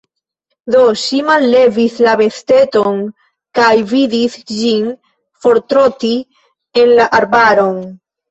Do ŝi mallevis la besteton, kaj vidis ĝin fortroti en la arbaron.